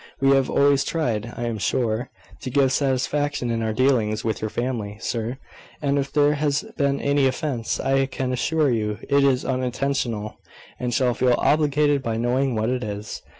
We have always tried, I am sure, to give satisfaction in our dealings with your family, sir; and if there has been any offence, I can assure you it is unintentional, and shall feel obliged by knowing what it is.